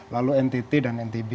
lalu ntt dan ntb